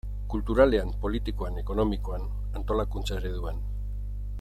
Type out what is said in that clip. Kulturalean, politikoan, ekonomikoan, antolakuntza ereduan...